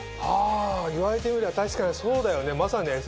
あ言われてみれば確かにそうだよねまさに。